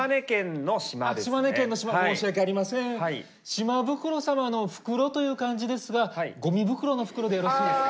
シマブクロ様の「フクロ」という漢字ですがゴミ袋の「袋」でよろしいですか？